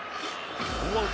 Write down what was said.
ノーアウト